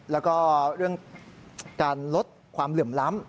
แล้วก็เรื่องการลดความเหลื่อมล้ำ